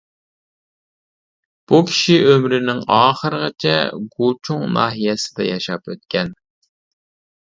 بۇ كىشى ئۆمرىنىڭ ئاخىرىغىچە گۇچۇڭ ناھىيەسىدە ياشاپ ئۆتكەن.